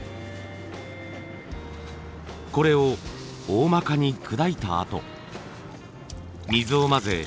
これを大まかに砕いたあと水を混ぜ